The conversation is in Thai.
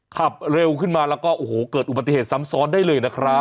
ขับเร็วขึ้นมาแล้วก็โอ้โหเกิดอุบัติเหตุซ้ำซ้อนได้เลยนะครับ